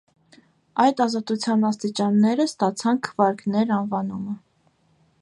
Այդ ազատության աստիճանները ստացան քվարկներ անվանումը։